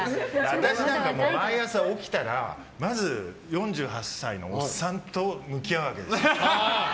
私なんかもう毎朝起きたらまず、４８歳のオッサンと向き合うわけです。